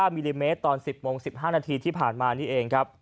มิลลิเมตรตอน๑๐โมง๑๕นาทีที่ผ่านมานี่เองครับ